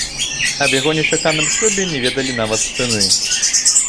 Аб яго нечаканым шлюбе не ведалі нават сыны.